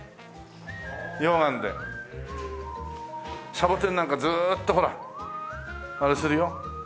サボテンなんかずーっとほらあれするよ。